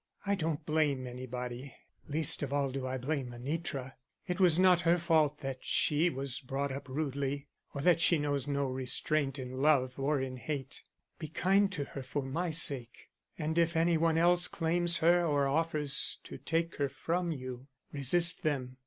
I don't blame anybody. Least of all do I blame Anitra. It was not her fault that she was brought up rudely, or that she knows no restraint in love or in hate. Be kind to her for my sake, and if any one else claims her or offers to take her from you, resist them.